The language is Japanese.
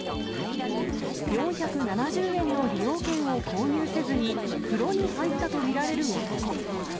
４７０円の利用券を購入せずに、風呂に入ったと見られる男。